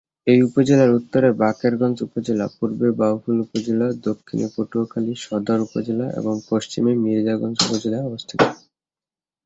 এই উপজেলার উত্তরে বাকেরগঞ্জ উপজেলা, পূর্বে বাউফল উপজেলা, দক্ষিণে পটুয়াখালী সদর উপজেলা এবং পশ্চিমে মির্জাগঞ্জ উপজেলা অবস্থিত।